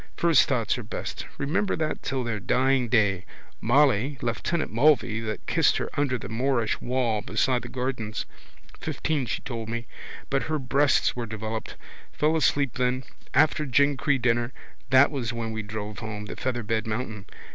First thoughts are best. Remember that till their dying day. Molly, lieutenant Mulvey that kissed her under the Moorish wall beside the gardens. Fifteen she told me. But her breasts were developed. Fell asleep then. After Glencree dinner that was when we drove home. Featherbed mountain.